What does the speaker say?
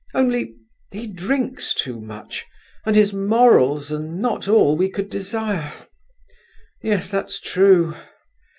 Only... he drinks too much, and his morals are not all we could desire. Yes, that's true!